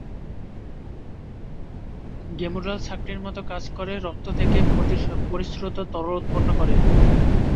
Glomerulus ছাঁকনির মতো কাজ করে রক্ত থেকে পরিস্রুত তরল উৎপন্ন করে।